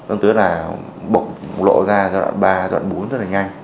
ông thư là bộ lộ ra giai đoạn ba giai đoạn bốn rất là nhanh